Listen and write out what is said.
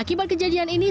akibat kejadian ini